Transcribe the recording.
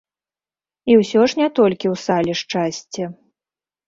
І ўсё ж не толькі ў сале шчасце.